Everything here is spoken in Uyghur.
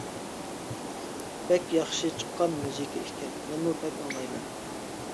بەك ياخشى چىققان مۇزىكا ئىكەن، مەنمۇ بەك ئاڭلايمەن.